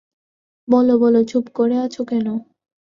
বল বল, চুপ করে আছ কেন?